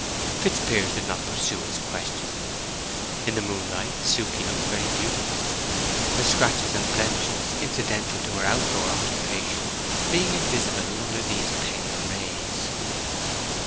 Fitzpiers did not pursue his questioning. In the moonlight Suke looked very beautiful, the scratches and blemishes incidental to her out door occupation being invisible under these pale rays.